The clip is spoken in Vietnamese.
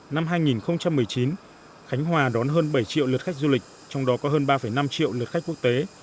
năm hai nghìn một mươi chín khánh hòa đón hơn bảy triệu lượt khách du lịch trong đó có hơn ba năm triệu lượt khách quốc tế